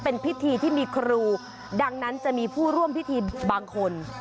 เป็นพิธีที่มีครูดังนั้นจะมีผู้ร่วมพิธีบางคน